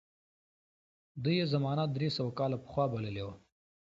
ده یې زمانه درې سوه کاله پخوا بللې وه.